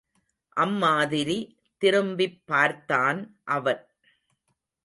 அம்மாதிரி திரும்பிப் பார்த்தான் அவன்.